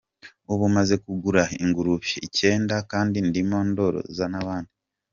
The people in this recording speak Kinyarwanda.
Ubu maze kugura ingurube icyenda kandi ndimo ndoroza n’abandi.